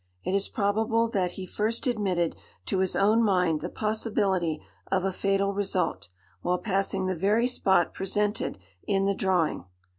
It is probable that he first admitted to his own mind the possibility of a fatal result, while passing the very spot presented in the drawing.